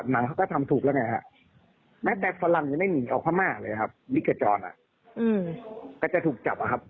หนังเค้าก็ทำถูกแล้วไงฮะแม้แต่ฝรั่งยังไม่หนีออกมากเลยครับนิกจรอ่ะอืมแต่จะถูกจับอ่ะครับ